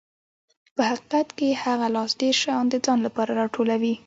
په حقیقت کې هغه لاس ډېر شیان د ځان لپاره راټولوي.